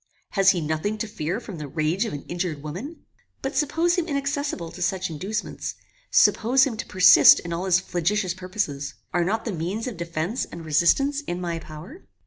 Has he nothing to fear from the rage of an injured woman? But suppose him inaccessible to such inducements; suppose him to persist in all his flagitious purposes; are not the means of defence and resistance in my power?